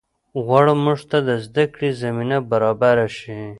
غواړم مونږ ته د زده کړې زمینه برابره شي